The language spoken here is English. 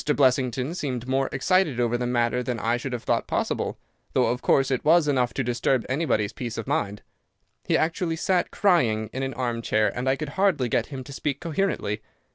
Blessington seemed more excited over the matter than I should have thought possible, though of course it was enough to disturb anybody's peace of mind. He actually sat crying in an armchair, and I could hardly get him to speak coherently.